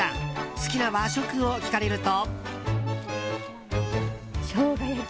好きな和食を聞かれると。